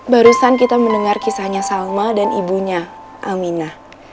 barusan kita mendengar kisahnya salma dan ibunya amina